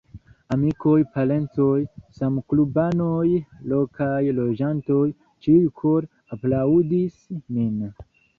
Amikoj, parencoj, samklubanoj, lokaj loĝantoj, ĉiuj kore aplaŭdis min.